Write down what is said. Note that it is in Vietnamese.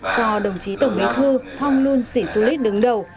do đồng chí tổng bí thư thong luân sĩ xu lít đứng đầu